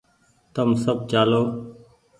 تم سب چآلو